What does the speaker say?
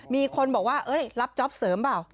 มีคนบอกว่ารับจ๊อปเสริมเปล่า